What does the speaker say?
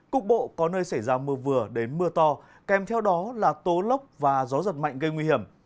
cục bộ có nơi xảy ra mưa vừa đến mưa to kèm theo đó là tố lốc và gió giật mạnh gây nguy hiểm